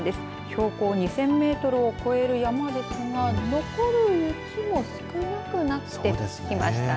標高２０００メートルを超える山ですが残りの雪も少なくなってきていました。